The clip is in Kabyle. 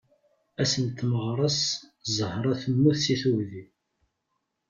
Ass n tmaɣra-s Zahra temmut seg tugdi.